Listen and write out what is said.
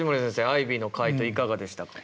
アイビーの回答いかがでしたか？